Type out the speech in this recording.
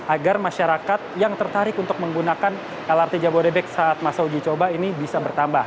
agar masyarakat yang tertarik untuk menggunakan lrt jabodebek saat masa uji coba ini bisa bertambah